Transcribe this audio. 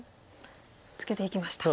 ツケていきました。